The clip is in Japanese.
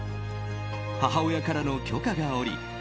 母親からの許可が下り